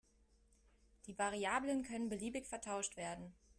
Die Variablen können beliebig vertauscht werden.